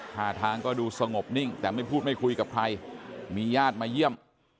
ท่าทางก็ดูสงบนิ่งแต่ไม่พูดไม่คุยกับใครมีญาติมาเยี่ยม